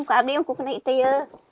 aku ada yang pernah itu ya